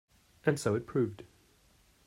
And so it proved.